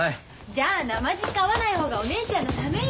じゃあなまじっか会わない方がお姉ちゃんのためよ。